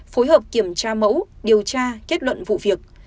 phối hợp kiểm tra mẫu điều tra kết luận vụ việc